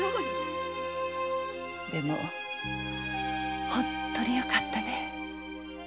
でも本当によかったね。